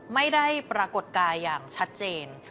ไม่ได้ปรากฏกายอย่างชัดเจน